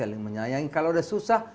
saling menyayangi kalau sudah susah